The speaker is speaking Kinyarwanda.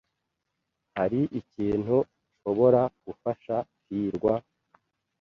Hari ikindi kintu nshobora gufasha hirwa?